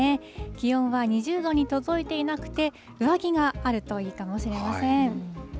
気温は２０度に届いていなくて、上着があるといいかもしれません。